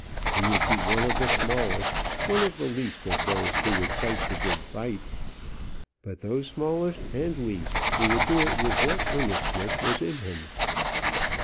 He would be one of the smallest, one of the least of those who would fight the good fight; but, though smallest and least, he would do it with what earnestness was in him.